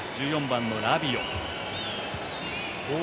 １４番のラビオ。